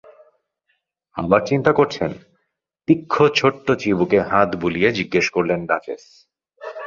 আবার চিন্তা করছেন? তীক্ষ্ণ্ণ ছোট্ট চিবুকে হাত বুলিয়ে জিজ্ঞেস করলেন ডাচেস।